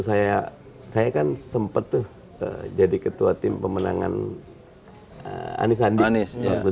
saya saya kan sempet tuh jadi ketua tim pemenangan anis andi dua ribu tujuh belas itu kalau temen temen kerindera